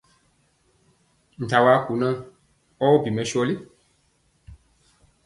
Nta wa kunaa ɔ bi mɛsɔli!